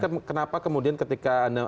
tetapi kenapa kemudian ketika